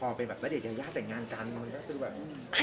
พอเป็นแบบเมื่อเด็กยายะแต่งงานกันมันก็เป็นแบบ